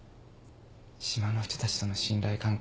島の人たちとの信頼関係。